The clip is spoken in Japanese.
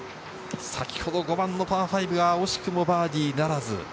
５番のパー５が惜しくもバーディーならず。